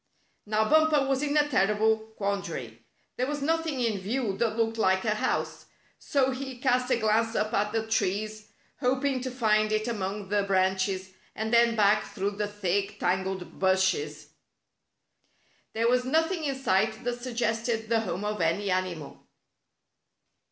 Now Bumper was in a terrible quandary. There was nothing in view that looked like a house. So he cast a glance up at the trees, hop ing to find it among the branches, and then back through the thick, tangled bushes. There was nothing in sight that suggested the home of any animal.